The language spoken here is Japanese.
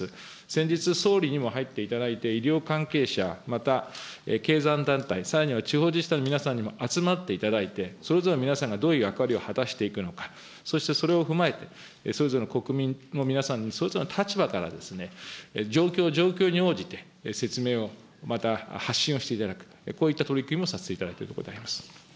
先日、総理にも入っていただいて、医療関係者、また経済団体、さらには地方自治体の皆さんにも集まっていただいて、それぞれの皆さんがどういう役割を果たしていくのか、そしてそれを踏まえて、それぞれの国民の皆さんにそれぞれの立場から状況状況に応じて説明を、また発信をしていただく、こういった取り組みもさせていただいているところでございます。